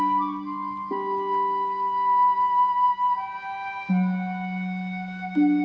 neng mah kayak gini